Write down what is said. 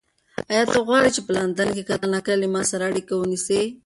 ایا ته غواړې چې په لندن کې کله ناکله له ما سره اړیکه ونیسې؟